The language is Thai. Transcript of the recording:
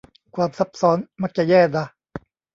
ความซับซ้อนมักจะแย่นะ